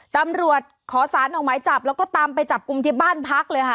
ตำรวจขอสารออกหมายจับแล้วก็ตามไปจับกลุ่มที่บ้านพักเลยค่ะ